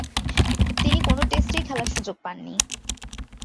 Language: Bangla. তিনি কোন টেস্টেই খেলার সুযোগ পাননি।